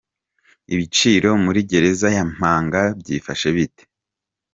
Ibiciro muri gereza ya Mpanga byifashe bite?